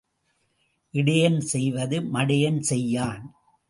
இடையன் செய்வது மடையன் செய்யான்.